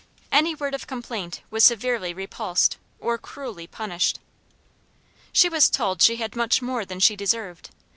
Any word of complaint was severely repulsed or cruelly punished. She was told she had much more than she deserved.